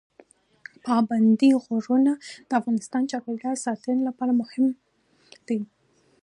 پابندي غرونه د افغانستان د چاپیریال ساتنې لپاره مهم دي.